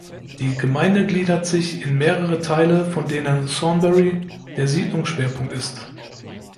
Die Gemeinde gliedert sich in mehrere Teile von denen „Thornbury“ der Siedlungsschwerpunkt ist.